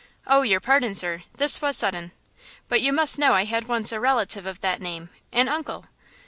"Oh, your pardon, sir; this was sudden. But you must know I had once a relative of that name–an uncle."